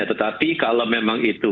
tetapi kalau memang itu